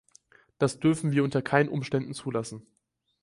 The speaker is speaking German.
Das dürfen wir unter keinen Umständen zulassen.